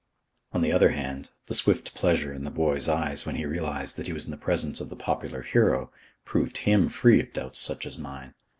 On the other hand, the swift pleasure in the boy's eyes when he realised that he was in the presence of the popular hero, proved him free of doubts such as mine.